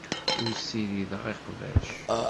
Ur ssirideɣ iqbac.